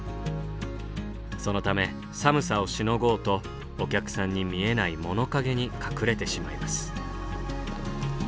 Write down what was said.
そのため寒さをしのごうとお客さんに見えない物陰に隠れてしまいます。